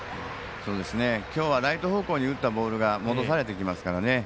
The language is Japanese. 今日はライト方向に打ったボールが戻されてきますからね。